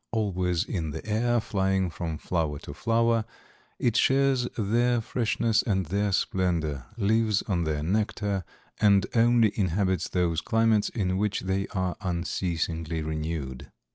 Always in the air, flying from flower to flower, it shares their freshness and their splendor, lives on their nectar, and only inhabits those climates in which they are unceasingly renewed."